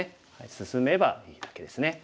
進めばいいだけですね。